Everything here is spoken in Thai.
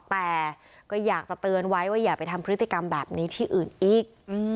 แต่ก็อยากจะเตือนไว้ว่าอย่าไปทำพฤติกรรมแบบนี้ที่อื่นอีก